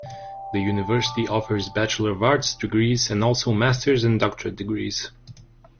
The university offers Bachelor of Arts degrees and also Master's and Doctorate Degrees.